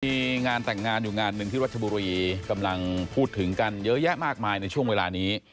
มีงานแต่งงานอยู่งานหนึ่งที่รัชบุรีกำลังพูดถึงกันเยอะแยะมากมายในช่วงเวลานี้